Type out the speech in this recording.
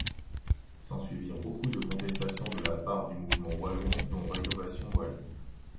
S’ensuivirent beaucoup de contestations de la part du mouvement wallon dont Rénovation wallonne.